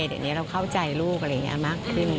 เดี๋ยวนี้เราเข้าใจลูกอะไรอย่างนี้มากขึ้น